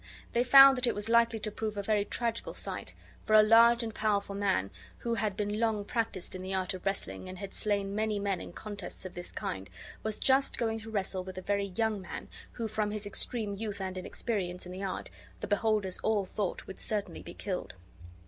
They found that it was likely to prove a very tragical sight; for a large and powerful man, who had been long practised in the art of wrestling and had slain many men in contests of this kind, was just going to wrestle with a very young man, who, from his extreme youth and inexperience in the art, the beholders all thought would certainly be killed.